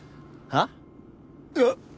はっ？